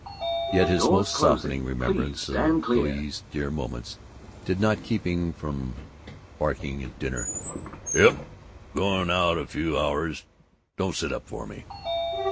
Yet his most softening remembrance of these dear moments did not keep him from barking at dinner, "Yep, going out f' few hours. Don't sit up for me."